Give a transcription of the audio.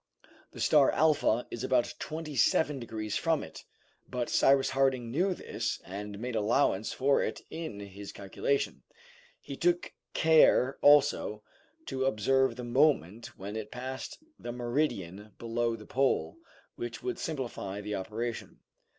The star Alpha is about twenty seven degrees from it, but Cyrus Harding knew this and made allowance for it in his calculation. He took care also to observe the moment when it passed the meridian below the pole, which would simplify the operation.